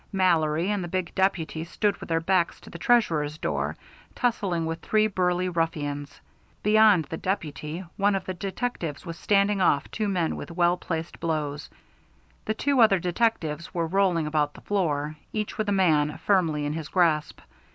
Mallory and the big deputy stood with their backs to the Treasurer's door, tussling with three burly ruffians. Beyond the deputy, one of the detectives was standing off two men with well placed blows. The two other detectives were rolling about the floor, each with a man firmly in his grasp.